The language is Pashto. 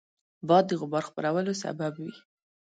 باد د غبار خپرولو سبب وي